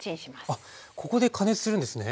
あっここで加熱するんですね。